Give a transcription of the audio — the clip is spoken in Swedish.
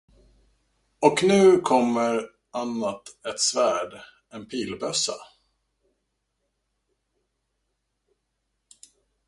Och nu kommer annat ett svärd, en pilbössa.